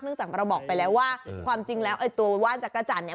เนื่องจากเราบอกไปแล้วว่าความจริงแล้วตัวว่านจักรจานนี้